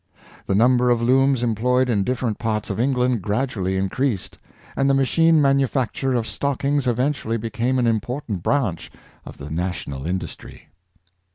The number of looms employed in different parts of England gradually increased; and the machine manufacture of stockings eventually be came an important branch of the national industry.